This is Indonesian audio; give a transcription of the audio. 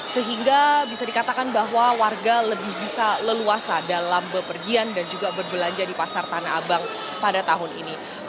sehingga bisa dikatakan bahwa warga lebih bisa leluasa dalam bepergian dan juga berbelanja di pasar tanah abang pada tahun ini